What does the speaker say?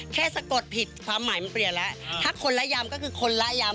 สะกดผิดความหมายมันเปลี่ยนแล้วถ้าคนละยำก็คือคนละยำ